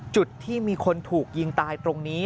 จุดที่มีคนถูกยิงตายตรงนี้